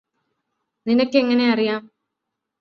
നിനക്കെങ്ങനെ അറിയാം